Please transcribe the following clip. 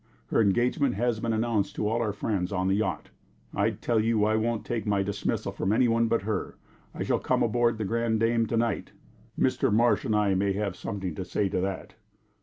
Her engagement has been announced to all our friends on the yacht." "I tell you I won't take my dismissal from any one but her. I shall come aboard The Grande Dame to night." "Mr. Marsh and I may have something to say to that."